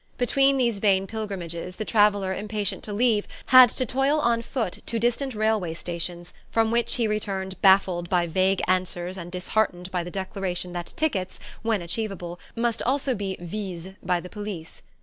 Between these vain pilgrimages, the traveller impatient to leave had to toil on foot to distant railway stations, from which he returned baffled by vague answers and disheartened by the declaration that tickets, when achievable, must also be vises by the police.